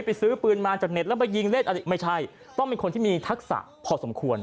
ซื้อปืนมาจากเน็ตแล้วมายิงเล่นอะไรไม่ใช่ต้องเป็นคนที่มีทักษะพอสมควร